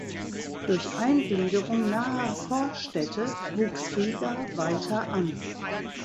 Durch Eingliederung naher Vorstädte wuchs Riga weiter an.